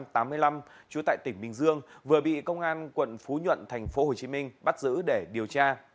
trú tại tỉnh bình dương vừa bị công an quận phú nhuận thành phố hồ chí minh bắt giữ để điều tra